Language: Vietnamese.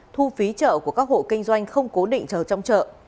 thu phí chợ của các hộ kinh doanh không cố định chờ trong chợ